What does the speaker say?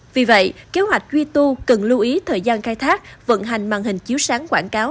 vì vậy kế hoạch duy tu cần lưu ý thời gian khai thác vận hành màn hình chiếu sáng quảng cáo